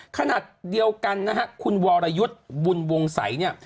ขนาดเดียวกันนะฮะคุณวรยุทธ์บุญวงศัยเนี่ย